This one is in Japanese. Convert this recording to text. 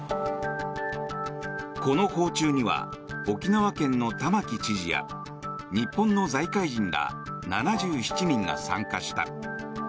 この訪中には沖縄県の玉城知事や日本の財界人ら７７人が参加した。